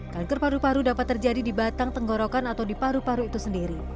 kanker paru paru dapat terjadi di batang tenggorokan atau di paru paru itu sendiri